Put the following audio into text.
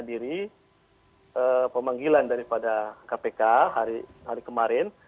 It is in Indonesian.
dan daripada kpk hari kemarin